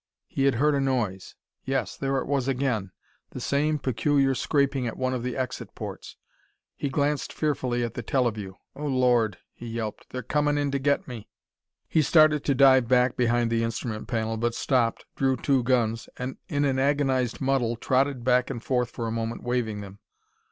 He had heard a noise! Yes there it was again! The same peculiar scraping at one of the exit ports! He glanced fearfully at the teleview. "Oh, Lord!" he yelped. "They're comin' in to get me!" He started to dive back behind the instrument panel, but stopped, drew two guns, and in an agonized muddle trotted back and forth for a moment, waving them.